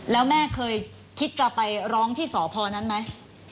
แล้วแม่เคยคิดจะไปร้องที่สพนั้นไหม